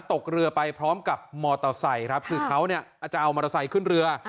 ตกเรือไปพร้อมกับมอเตอร์ไซค์ครับคือเขาเนี่ยจะเอามอเตอร์ไซค์ขึ้นเรือ